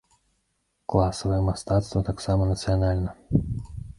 Класавае мастацтва таксама нацыянальна.